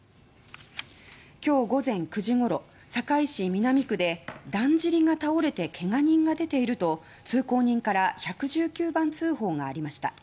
今日午前９時ごろ堺市南区でだんじりが倒れて怪我人が出ていると通行人から１１９番通報がありました。